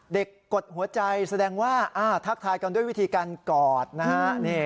กดหัวใจแสดงว่าทักทายกันด้วยวิธีการกอดนะฮะ